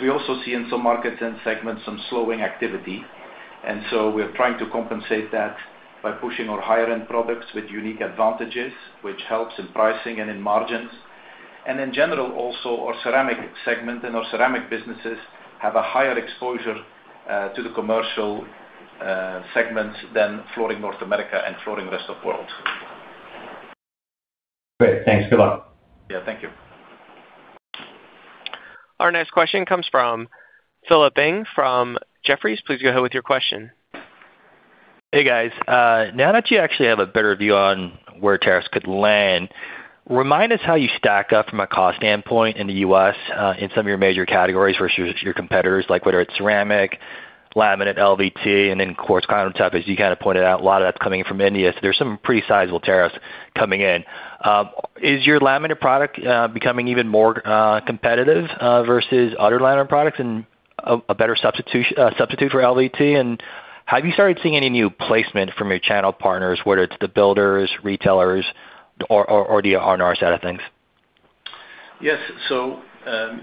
We also see in some markets and segments some slowing activity. We are trying to compensate that by pushing our higher-end products with unique advantages, which helps in pricing and in margins. In general, also, our ceramic segment and our ceramic businesses have a higher exposure to the commercial segments than Flooring North America and Flooring Rest of the World. Great. Thanks. Good luck. Thank you. Our next question comes fr`om Phil Ng from Jefferies. Please go ahead with your question. Hey, guys. Now that you actually have a better view on where tariffs could land, remind us how you stack up from a cost standpoint in the U.S. in some of your major categories versus your competitors, like whether it's ceramic, laminate, LVT, and then quartz countertop. As you kind of pointed out, a lot of that's coming in from India. There are some pretty sizable tariffs coming in. Is your laminate product becoming even more competitive versus other laminate products and a better substitute for LVT? Have you started seeing any new placement from your channel partners, whether it's the builders, retailers, or the R&R side of things? Yes,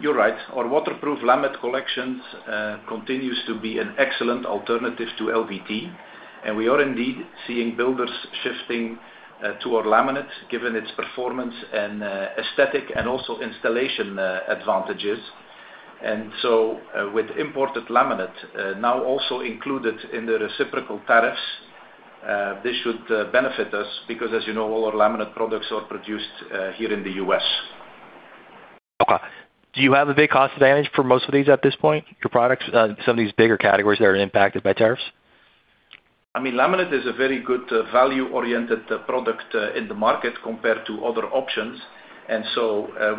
you're right. Our waterproof laminate collections continue to be an excellent alternative to LVT. We are indeed seeing builders shifting to our laminate, given its performance, aesthetic, and also installation advantages. With imported laminate now also included in the reciprocal tariffs, this should benefit us because, as you know, all our laminate products are produced here in the U.S. Okay. Do you have a big cost advantage for most of these at this point, your products, some of these bigger categories that are impacted by tariffs? Laminate is a very good value-oriented product in the market compared to other options.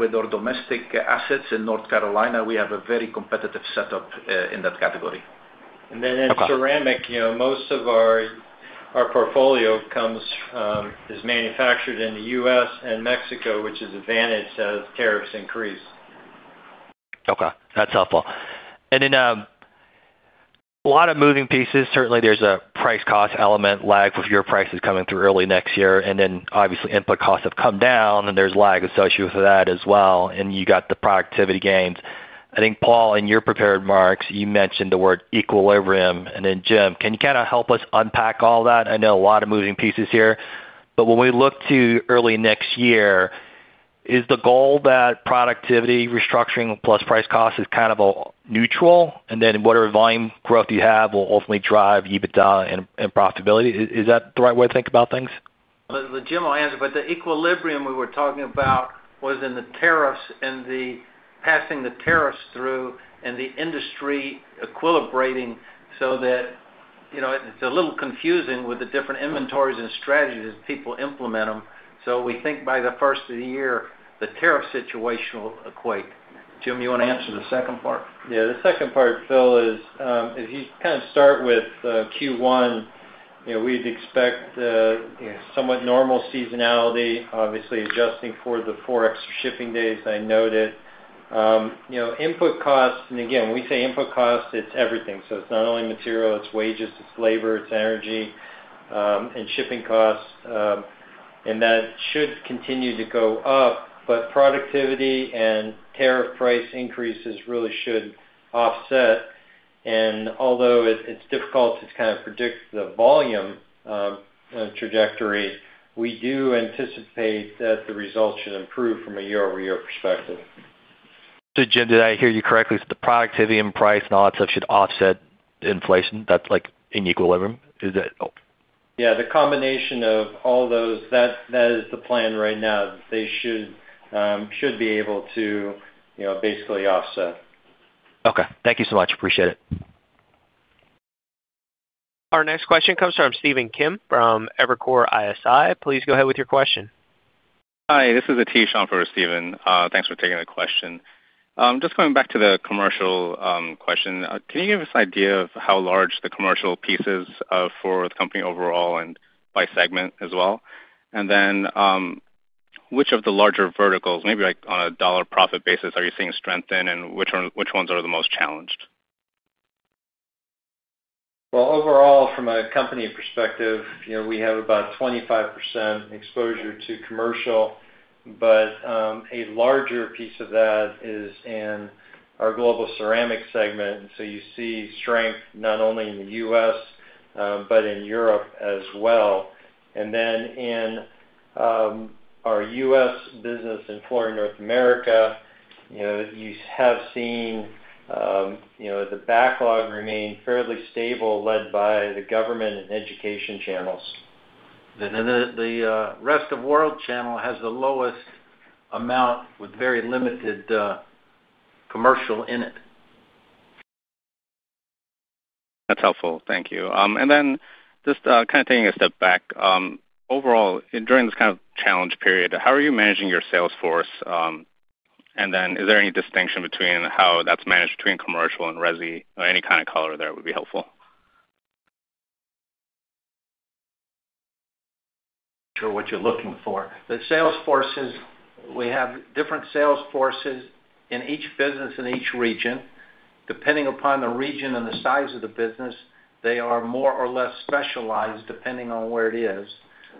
With our domestic assets in North Carolina, we have a very competitive setup in that category. In ceramic, you know, most of our portfolio is manufactured in the U.S. and Mexico, which is advantaged as tariffs increase. Okay. That's helpful. There are a lot of moving pieces. Certainly, there's a price-cost element lag with your prices coming through early next year. Obviously, input costs have come down, and there's lag associated with that as well. You have the productivity gains. I think, Paul, in your prepared marks, you mentioned the word equilibrium. Jim, can you kind of help us unpack all of that? I know a lot of moving pieces here. When we look to early next year, is the goal that productivity restructuring plus price costs is kind of neutral? Whatever volume growth you have will ultimately drive EBITDA and profitability. Is that the right way to think about things? Jim will answer. The equilibrium we were talking about was in the tariffs and passing the tariffs through and the industry equilibrating so that, you know, it's a little confusing with the different inventories and strategies as people implement them. We think by the first of the year, the tariff situation will equate. Jim, you want to answer the second part? Yeah. The second part, Phil, is if you kind of start with Q1, you know, we'd expect somewhat normal seasonality, obviously adjusting for the four extra shipping days I noted. Input costs, and again, when we say input costs, it's everything. It's not only material, it's wages, it's labor, it's energy, and shipping costs. That should continue to go up. Productivity and tariff price increases really should offset. Although it's difficult to kind of predict the volume trajectories, we do anticipate that the results should improve from a year-over-year perspective. Jim, did I hear you correctly? The productivity and price and all that stuff should offset inflation? That's like in equilibrium? Is that? Yeah, the combination of all those, that is the plan right now. They should be able to basically offset. Okay, thank you so much. Appreciate it. Our next question comes from Stephen Kim from Evercore ISI. Please go ahead with your question. Hi. This is Aatish on for Stephen. Thanks for taking the question. Just going back to the commercial question, can you give us an idea of how large the commercial piece is for the company overall and by segment as well? Which of the larger verticals, maybe like on a dollar profit basis, are you seeing strengthen and which ones are the most challenged? Overall, from a company perspective, you know, we have about 25% exposure to commercial, but a larger piece of that is in our Global Ceramic segment. You see strength not only in the U.S., but in Europe as well. In our U.S. business in Flooring North America, you know, you have seen the backlog remain fairly stable, led by the government and education channels. The Rest of the World channel has the lowest amount with very limited commercial in it. That's helpful. Thank you. Just kind of taking a step back, overall, during this kind of challenge period, how are you managing your sales force? Is there any distinction between how that's managed between commercial and resi? Any kind of color there would be helpful. I'm not sure what you're looking for. The sales forces, we have different sales forces in each business in each region. Depending upon the region and the size of the business, they are more or less specialized depending on where it is.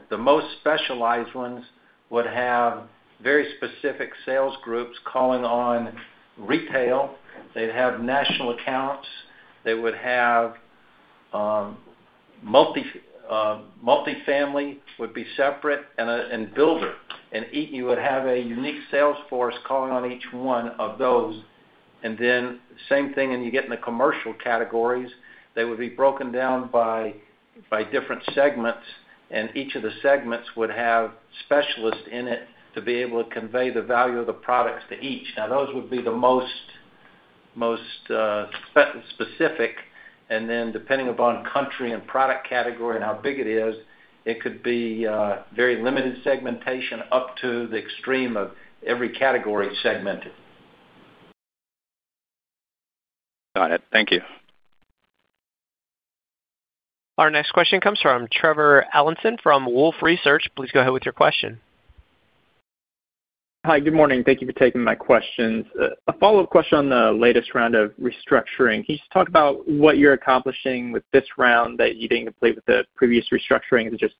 The most specialized ones would have very specific sales groups calling on retail. They'd have national accounts. They would have multifamily, would be separate, and builder. You would have a unique sales force calling on each one of those. The same thing, you get in the commercial categories, they would be broken down by different segments. Each of the segments would have specialists in it to be able to convey the value of the products to each. Those would be the most specific. Depending upon country and product category and how big it is, it could be very limited segmentation up to the extreme of every category segmented. Got it. Thank you. Our next question comes from Trevor Allinson from Wolfe Research. Please go ahead with your question. Hi. Good morning. Thank you for taking my questions. A follow-up question on the latest round of restructuring. Can you just talk about what you're accomplishing with this round that you didn't complete with the previous restructuring? Is it just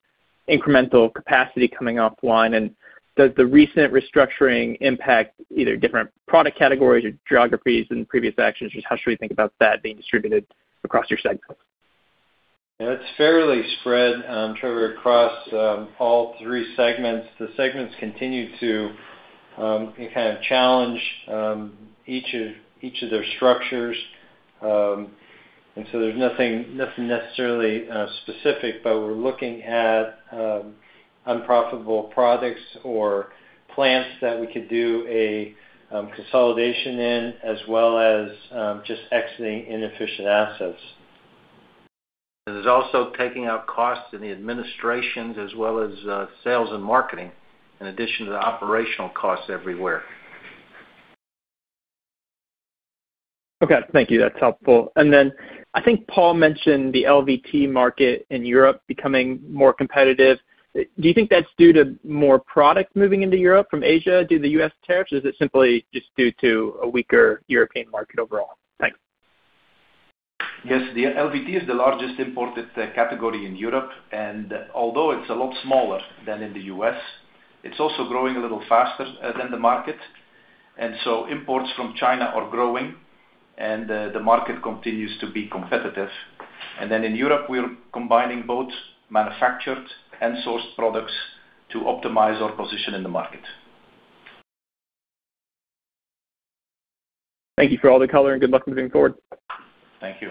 incremental capacity coming offline? Does the recent restructuring impact either different product categories or geographies and previous actions? How should we think about that being distributed across your segments? Yeah, it's fairly spread, Trevor, across all three segments. The segments continue to challenge each of their structures. There's nothing necessarily specific, but we're looking at unprofitable products or plants that we could do a consolidation in, as well as just exiting inefficient assets. It's also taking out costs in the administrations as well as sales and marketing in addition to the operational costs everywhere. Okay. Thank you. That's helpful. I think Paul mentioned the LVT market in Europe becoming more competitive. Do you think that's due to more product moving into Europe from Asia due to the U.S. tariffs, or is it simply just due to a weaker European market overall? Thanks. Yes, the LVT is the largest imported category in Europe. Although it's a lot smaller than in the U.S., it's also growing a little faster than the market. Imports from China are growing, and the market continues to be competitive. In Europe, we're combining both manufactured and sourced products to optimize our position in the market. Thank you for all the color, and good luck moving forward. Thank you.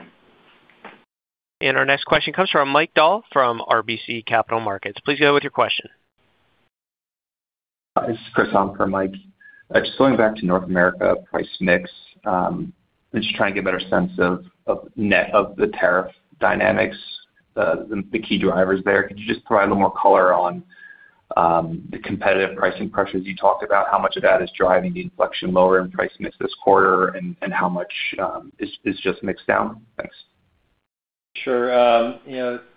Our next question comes from Mike Dahl from RBC Capital Markets. Please go ahead with your question. Hi. This is Chris on for Mike. Just going back to North America price mix, I'm just trying to get a better sense of the tariff dynamics, the key drivers there. Could you just throw a little more color on the competitive pricing pressures you talked about? How much of that is driving the inflection lower in price mix this quarter, and how much is just mixed down? Thanks. Sure.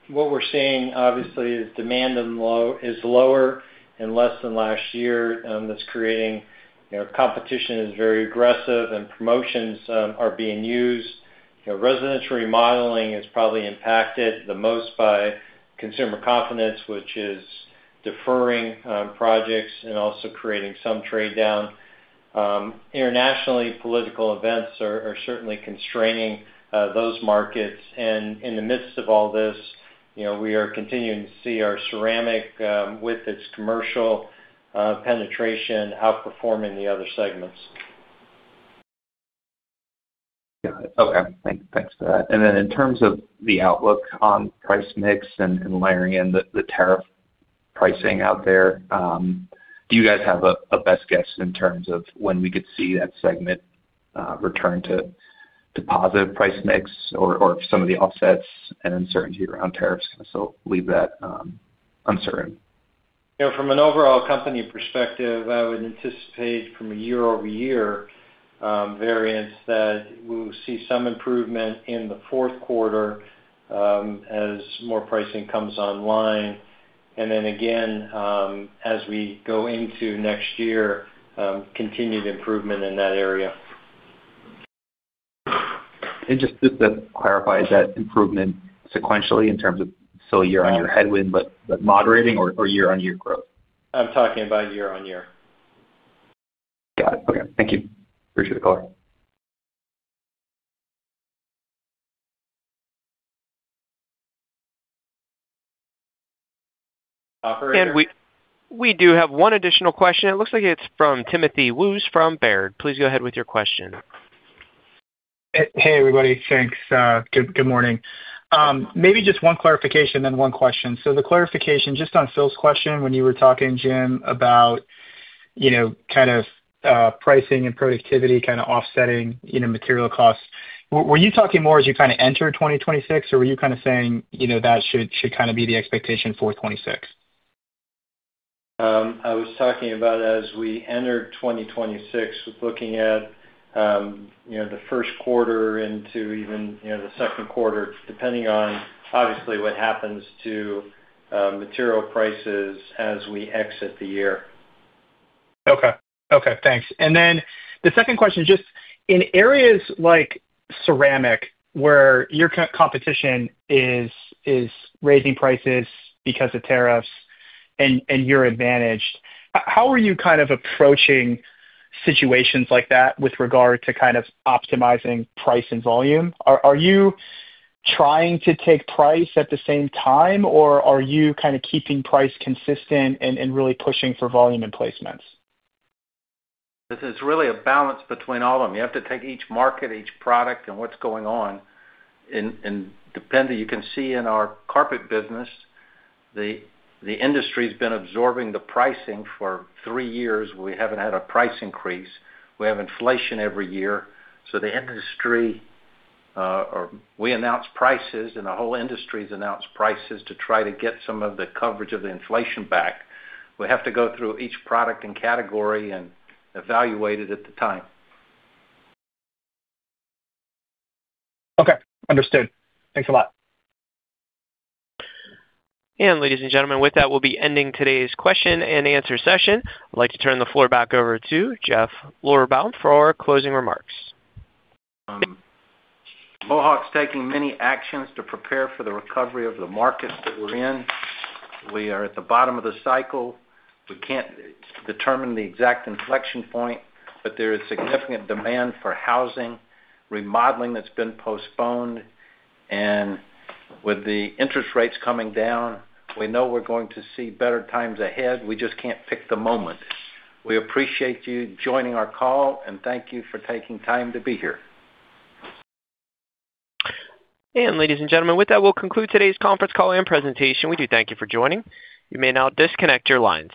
What we're seeing obviously is demand is lower and less than last year. That's creating competition that is very aggressive, and promotions are being used. Residential remodeling is probably impacted the most by consumer confidence, which is deferring projects and also creating some trade down. Internationally, political events are certainly constraining those markets. In the midst of all this, we are continuing to see our ceramic, with its commercial penetration, outperforming the other segments. Got it. Okay. Thanks for that. In terms of the outlook on price mix and layering in the tariff pricing out there, do you guys have a best guess in terms of when we could see that segment return to positive price mix, or if some of the offsets and uncertainty around tariffs kind of still leave that uncertain? You know, from an overall company perspective, I would anticipate from a year-over-year variance that we will see some improvement in the fourth quarter as more pricing comes online. As we go into next year, continued improvement in that area. Just to clarify, is that improvement sequentially in terms of still year-on-year headwind, but moderating or year-on-year growth? I'm talking about year-on-year. Got it. Okay. Thank you. Appreciate the color. We do have one additional question. It looks like it's from Timothy Wojs from Baird. Please go ahead with your question. Hey, everybody. Thanks. Good morning. Maybe just one clarification and then one question. The clarification, just on Phil's question when you were talking, Jim, about pricing and productivity kind of offsetting material costs. Were you talking more as you entered 2026, or were you saying that should be the expectation for 2026? I was talking about as we entered 2026, looking at the first quarter into even the second quarter, depending on obviously what happens to material prices as we exit the year. Okay. Thanks. In areas like ceramic where your competition is raising prices because of tariffs and you're advantaged, how are you kind of approaching situations like that with regard to optimizing price and volume? Are you trying to take price at the same time, or are you kind of keeping price consistent and really pushing for volume in placements? It's really a balance between all of them. You have to take each market, each product, and what's going on. Depending on, you can see in our carpet business, the industry's been absorbing the pricing for three years. We haven't had a price increase. We have inflation every year. The industry, or we announce prices and the whole industry's announced prices to try to get some of the coverage of the inflation back. We have to go through each product and category and evaluate it at the time. Okay, understood. Thanks a lot. Ladies and gentlemen, with that, we'll be ending today's question and answer session. I'd like to turn the floor back over to Jeff Lorberbaum for our closing remarks. is taking many actions to prepare for the recovery of the markets that we're in. We are at the bottom of the cycle. We can't determine the exact inflection point, but there is significant demand for housing remodeling that's been postponed. With the interest rates coming down, we know we're going to see better times ahead. We just can't pick the moment. We appreciate you joining our call, and thank you for taking time to be here. Ladies and gentlemen, with that, we'll conclude today's conference call and presentation. We do thank you for joining. You may now disconnect your lines.